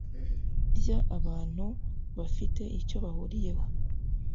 Ry abantu bafite icyo bahuriyeho